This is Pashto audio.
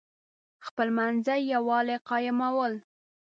خپلمنځي یوالی قایمول.